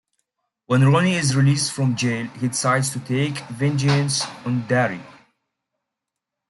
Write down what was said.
When Ronnie is released from jail, he decides to take vengeance on Darryl.